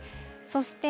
そして、